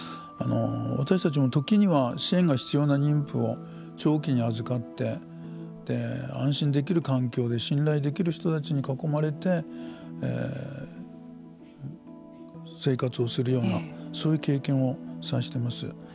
私たちもときには支援が必要な妊婦を長期にあずかって安心できる環境で信頼できる人たちに囲まれて生活をするようなそういう経験をさしています。